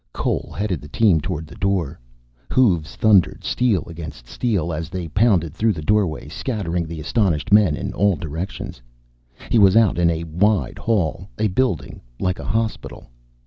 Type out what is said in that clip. Cole headed the team toward the door. Hoofs thundered steel against steel as they pounded through the doorway, scattering the astonished men in all directions. He was out in a wide hall. A building, like a hospital.